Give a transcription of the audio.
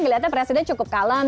kelihatnya presiden cukup kalam